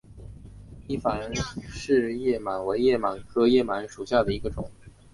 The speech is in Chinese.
伊凡氏叶螨为叶螨科叶螨属下的一个种。